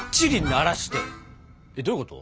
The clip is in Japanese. えっどういうこと？